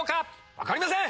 分かりません！